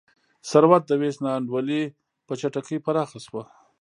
ثروت د وېش نا انډولي په چټکۍ پراخه شوه.